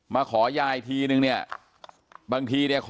มาขอยายทีนึงเนี่ยบางทีเนี่ยขอ๕๐๐๗๐๐